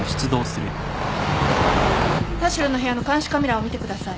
田代の部屋の監視カメラを見てください。